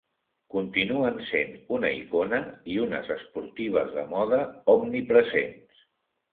Continuen sent una icona i unes esportives de moda omnipresents.